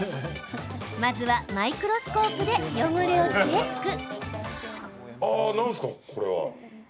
まずは、マイクロスコープで汚れをチェック。